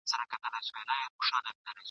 سر پر سر خوراک یې عقل ته تاوان دئ ..